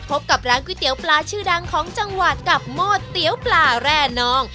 พบกับร้านก๋วยเตี๋ยวปลาชื่อดังของจังหวัดกับหม้อเตี๋ยวปลาแร่นอง